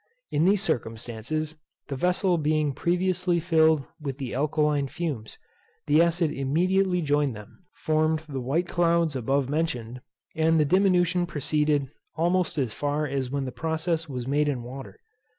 In these circumstances, the vessel being previously filled with the alkaline fumes, the acid immediately joined them, formed the white clouds above mentioned, and the diminution proceeded almost as far as when the process was made in water.